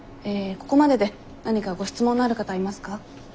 ここまでで何かご質問のある方はいますか？